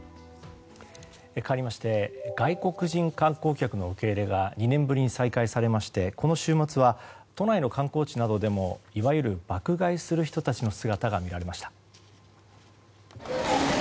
かわりまして外国人観光客の受け入れが２年ぶりに再開されましてこの週末は都内の観光地などでもいわゆる爆買いする人たちの姿が見られました。